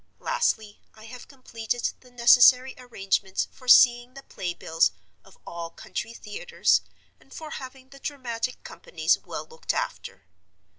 Lastly, I have completed the necessary arrangements for seeing the play bills of all country theaters, and for having the dramatic companies well looked after.